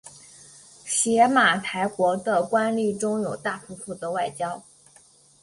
邪马台国的官吏中有大夫负责外交。